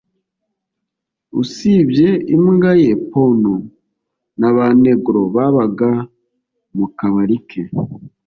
usibye imbwa ye ponto, na ba negro babaga mu kabari ke